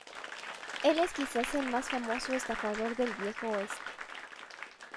Él es quizás el más famoso estafador del Viejo Oeste.